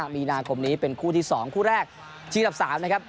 มีนาคมนี้เป็นคู่ที่๒คู่แรกชิงดับ๓นะครับ